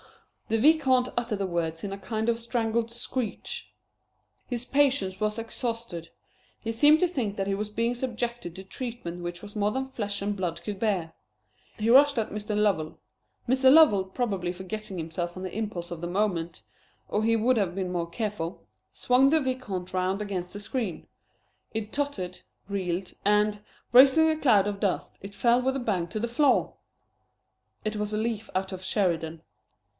The Vicomte uttered the words in a kind of strangled screech. His patience was exhausted. He seemed to think that he was being subjected to treatment which was more than flesh and blood could bear. He rushed at Mr. Lovell. Mr. Lovell, probably forgetting himself on the impulse of the moment or he would have been more careful swung the Vicomte round against the screen. It tottered, reeled, and, raising a cloud of dust, it fell with a bang to the floor! It was a leaf out of Sheridan.